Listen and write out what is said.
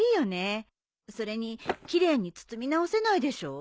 それに奇麗に包み直せないでしょ。